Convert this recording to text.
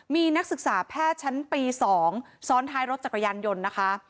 มีนักศึกษาแพทย์ชั้นปี๒ซ้อนท้ายรถจักรยานยนต์นะคะ